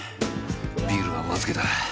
ビールはお預けだ。